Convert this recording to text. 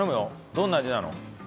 どんな味なの？